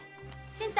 新太